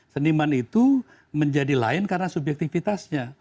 seniman itu menjadi lain karena subjektivitasnya